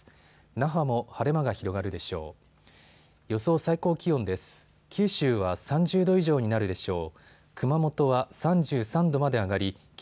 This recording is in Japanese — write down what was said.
那覇も晴れ間が広がるでしょう。